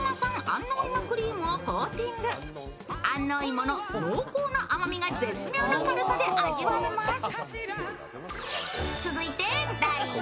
安納芋の濃厚な甘みが絶妙な軽さで味わえます。